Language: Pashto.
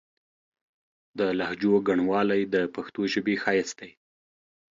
د لهجو ګڼوالی د پښتو ژبې ښايست دی.